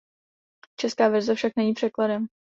Česká verze však není překladem.